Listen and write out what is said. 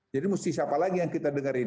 jadi mesti siapa lagi yang kita dengerin